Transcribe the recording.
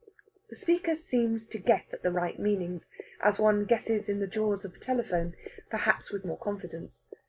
The speaker seems to guess at the right meanings, as one guesses in the jaws of the telephone, perhaps with more confidence.